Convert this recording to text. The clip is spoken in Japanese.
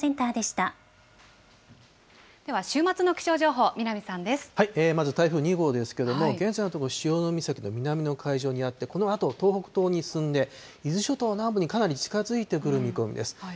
では、週末の気象情報、南さまず台風２号ですけれども、現在のところ、しおのみさきの南の海上にあって、このあと、東北東に進んで、伊豆諸島南部にかなり近づいてくる見込みです。